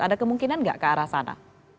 ada kemungkinan nggak ke arah sana